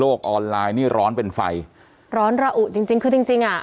ออนไลน์นี่ร้อนเป็นไฟร้อนระอุจริงจริงคือจริงจริงอ่ะ